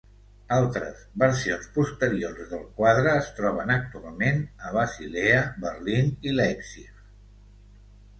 Altres versions posteriors del quadre es troben actualment a Basilea, Berlín i Leipzig.